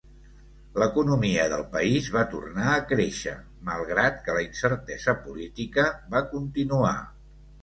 L'economia del país va tornar a créixer malgrat que la incertesa política va continuar.